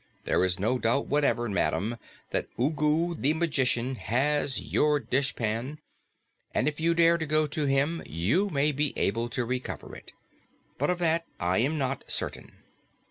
There is no doubt whatever, madam, that Ugu the Magician has your dishpan, and if you dare to go to him, you may be able to recover it. But of that I am not certain."